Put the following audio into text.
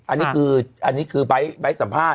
อันนี้คืออันนี้คือไบท์สัมภาษณ